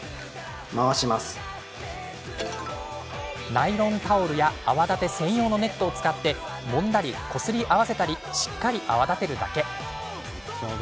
ナイロンタオルや泡立て専用のネットを使ってもんだり、こすり合わせたりしっかり泡立てるだけ。